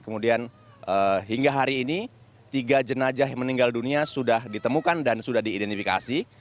kemudian hingga hari ini tiga jenajah meninggal dunia sudah ditemukan dan sudah diidentifikasi